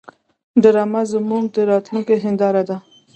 ډرامه زموږ د راتلونکي هنداره ده